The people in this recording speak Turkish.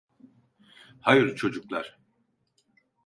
Hayır, çocuklar.